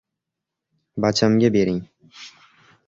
Bachamga bering...